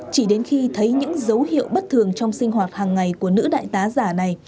chỉ đến khi thấy những dấu hiệu bất thường trong sinh hoạt hàng ngày của nữ đại tá giả này